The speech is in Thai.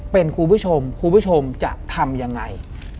เป็นคุณผู้ชมคุณผู้ชมจะทำยังไง